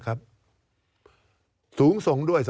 การเลือกตั้งครั้งนี้แน่